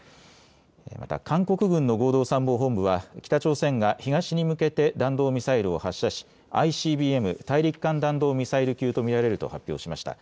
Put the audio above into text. また韓国軍の合同参謀本部は北朝鮮が東に向けて弾道ミサイルを発射しＩＣＢＭ・大陸間弾道ミサイル級と見られると発表しました。